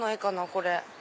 これ。